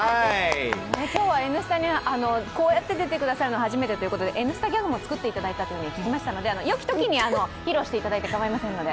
今日は「Ｎスタ」にこうやって出てくださるのは初めてということで「Ｎスタ」ギャグも作っていただいたと聞きましたので良きときに披露していただいてかまいませんので。